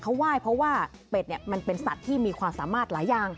เขาไหว้เพราะว่าเป็ดเนี่ยมันเป็นสัตว์ที่มีความสามารถหลายอย่าง